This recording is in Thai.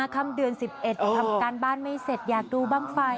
ค่ำเดือน๑๑ทำการบ้านไม่เสร็จอยากดูบ้างไฟ